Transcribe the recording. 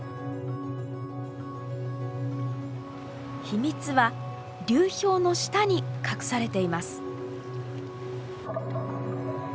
秘密は流氷の下に隠されています。